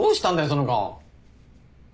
その顔。